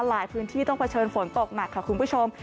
พื้นที่ต้องเผชิญฝนตกหนักค่ะคุณผู้ชม